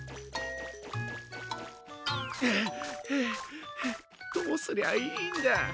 はあはあはあどうすりゃいいんだ。